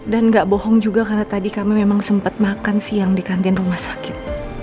dan nggak bohong juga karena tadi kamu memang sempat makan siang di kantin rumah sakit